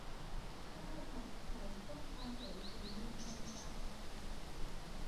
ข้าวผัดไข่ ต้องอาศัยฝีมือในการทำ